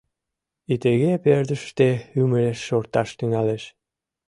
И тыге пырдыжыште ӱмыреш шорташ тӱҥалеш!